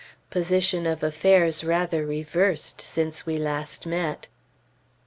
Position of affairs rather reversed since we last met!